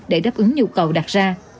để đáp ứng nhu cầu đặt ra